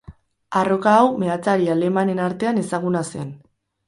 Arroka hau meatzari alemanen artean ezaguna zen.